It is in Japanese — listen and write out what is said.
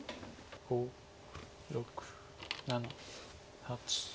５６７８。